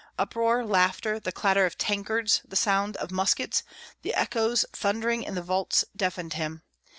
Uproar, laughter, the clatter of tankards, the sound of muskets, the echoes thundering in the vaults deafened him.